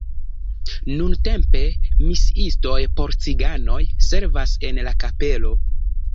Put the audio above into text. Nuntempe misiistoj por ciganoj servas en la kapelo.